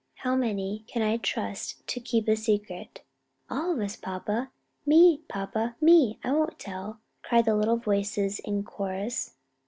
how many can I trust to keep a secret?" "All of us, papa!" "Me, papa, me, I won't tell," cried the little voices in chorus.